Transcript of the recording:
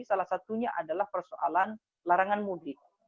salah satunya adalah persoalan larangan mudik